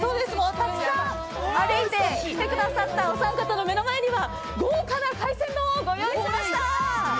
たくさん歩いて来てくださったお三方の目の前には豪華な海鮮丼をご用意しました。